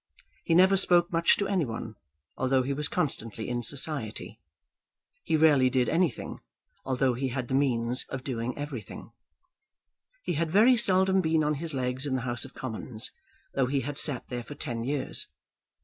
He never spoke much to any one, although he was constantly in society. He rarely did anything, although he had the means of doing everything. He had very seldom been on his legs in the House of Commons, though he had sat there for ten years.